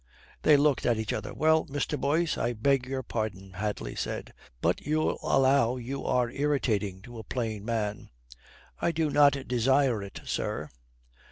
They looked at each other. "Well, Mr. Boyce, I beg your pardon," Hadley said. "But you'll allow you are irritating to a plain man." "I do not desire it, sir."